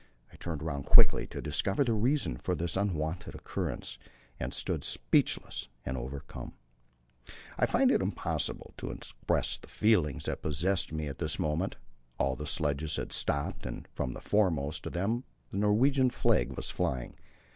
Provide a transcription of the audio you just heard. I turned round quickly to discover the reason of this unwonted occurrence, and stood speechless and overcome. I find it impossible to express the feelings that possessed me at this moment. All the sledges had stopped, and from the foremost of them the Norwegian flag was flying.